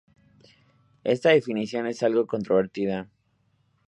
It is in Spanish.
Esta definición es algo controvertida.